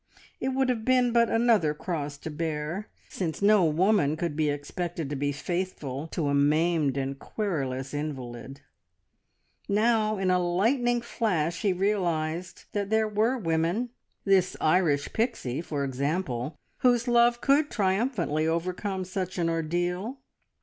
It would have been but another cross to bear, since no woman could be expected to be faithful to a maimed and querulous invalid. Now in a lightning flash he realised that there were women this Irish Pixie, for example whose love could triumphantly overcome such an ordeal.